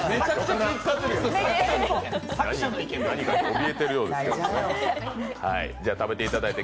何かにおびえてるようですけどね。